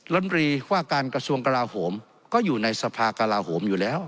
ลำรีว่าการกระทรวงกลาโหมก็อยู่ในสภากลาโหมอยู่แล้ว